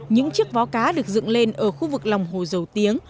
những chiếc vó cá được dựng lên ở khu vực lòng hồ dầu tiếng